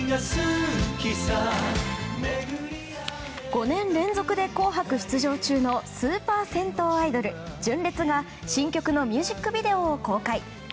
５年連続で「紅白」出場中のスーパー銭湯アイドル純烈が新曲のミュージックビデオを公開。